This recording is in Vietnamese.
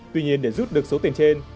tuy nhiên để rút được số tiền trên